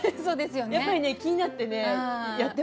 やっぱり気になってねやってますね。